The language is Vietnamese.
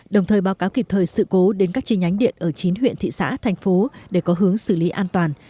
đồng thời báo cáo kịp thời sự cố đến các chi nhánh điện ở chín huyện thị xã thành phố để có hướng xử lý an toàn